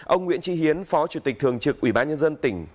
ông nguyễn tri hiến phó chủ tịch thường trực ủy ban nhân dân tỉnh